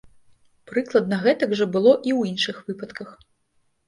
Прыкладна гэтак жа было і ў іншых выпадках.